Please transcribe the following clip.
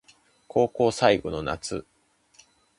高校最後の夏